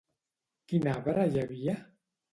Quin arbre hi havia?